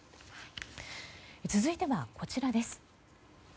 続いては、こちらです。